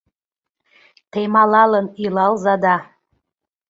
Темалалын илалза да.